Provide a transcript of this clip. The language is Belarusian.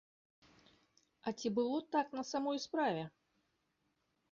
Але ці было так на самой справе?